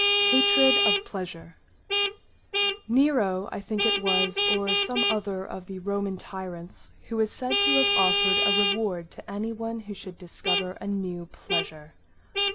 Hatred of pleasure Nero I think it was, or some other of the Roman tyrants, who is said to have offered a reward to any one who should discover a new pleasure.